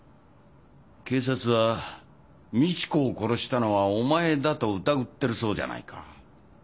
警察は美智子を殺したのはお前だと疑ってるそうじゃないか。